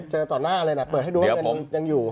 เจอต่อหน้าเลยแหละเปิดให้ดูว่าเงินยังอยู่